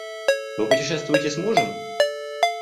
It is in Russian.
Вы путешествуете с мужем?